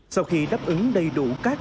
sau khi đáp ứng đầy đủ các